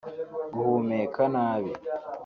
guhumeka nabi